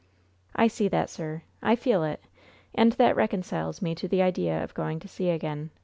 "I see that, sir; I feel it; and that reconciles me to the idea of going to sea again.